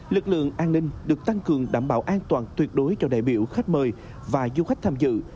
lực lượng an ninh được tăng cường đảm bảo an toàn tuyệt đối cho đại biểu khách mời và du khách tham dự